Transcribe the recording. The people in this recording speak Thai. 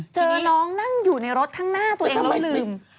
เจอน้องนั่งอยู่ในรถข้างหน้าตัวเองแล้วลืม